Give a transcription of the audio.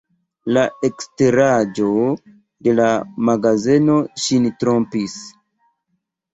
La eksteraĵo de la magazeno ŝin trompis.